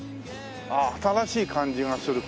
ああ新しい感じがする。